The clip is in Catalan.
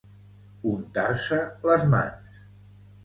Untar-se les mans.